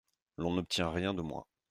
L’on n’obtient rien de moi.